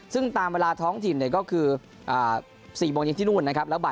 ซึ่งตามเวลาท้องถิ่นก็คือ๔โมงเย็นที่นู่นนะครับ